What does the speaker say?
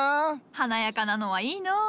華やかなのはいいのう。